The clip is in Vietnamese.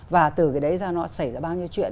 và từ cái đấy ra nó xảy ra bao nhiêu chuyện